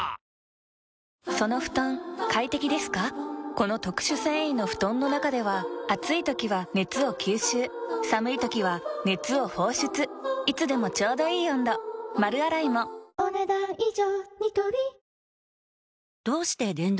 この特殊繊維の布団の中では暑い時は熱を吸収寒い時は熱を放出いつでもちょうどいい温度丸洗いもお、ねだん以上。